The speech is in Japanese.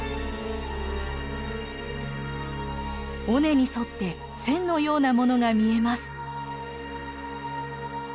尾根に沿って線のようなものが見えます。